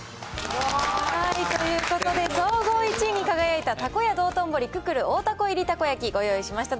ということで、総合１位に輝いた、たこ家道頓堀くくる、大たこ入りたこ焼、ご用意しました。